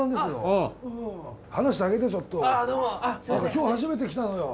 今日初めて来たのよ。